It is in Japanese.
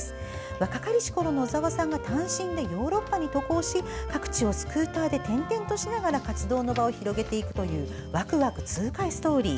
若かりしころの小澤さんが単身でヨーロッパに渡航し各地をスクーターで転々としながら活動の場を広げていくというワクワク痛快ストーリー。